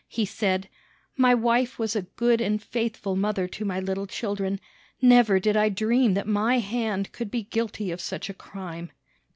He said: "My wife was a good and faithful mother to my little children. Never did I dream that my hand could be guilty of such a crime."